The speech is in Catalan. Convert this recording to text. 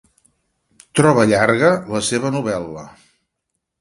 Troba llarga la seva novel·la.